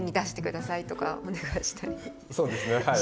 そうですねはい。